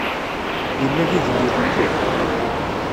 Yella d igellil mliḥ.